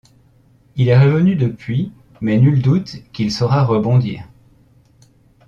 Il est revenu depuis peu, mais nul doute qu'il saura rebondir...